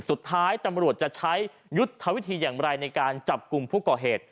สุดท้ายตำรวจจะใช้ยุทธวิธีอย่างไรในการจับกลุ่มผู้ก่อเหตุ